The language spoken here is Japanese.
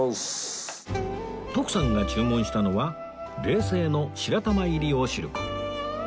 徳さんが注文したのは冷製の白玉入りおしるこ